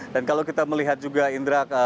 dan kalau kita melihat juga indra